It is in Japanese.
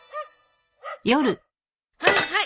はいはい。